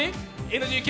ＮＧＫ。